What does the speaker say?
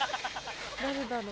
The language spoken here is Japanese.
誰だろう？